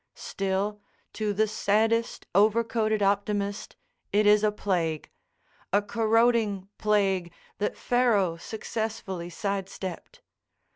Still, to the saddest overcoated optimist it is a plague—a corroding plague that Pharaoh successfully side stepped.